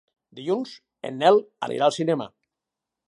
Dilluns en Nel anirà al cinema.